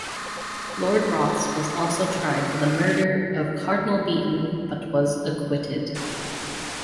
Lord Rothes was also tried for the murder of Cardinal Beaton but was acquitted.